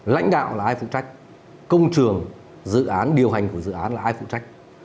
lãnh đạo là ai phụ trách công trường dự án điều hành của dự án là ai phụ trách